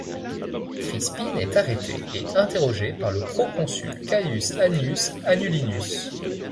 Crispine est arrêtée et interrogée par le proconsul Caius Annius Anullinus.